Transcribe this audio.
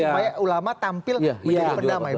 supaya ulama tampil menjadi perdamai